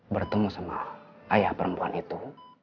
bertemu sama ayah perempuan itu